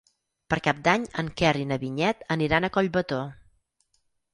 Per Cap d'Any en Quer i na Vinyet aniran a Collbató.